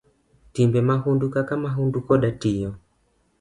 Timbe mahundu kaka mahundu koda tiyo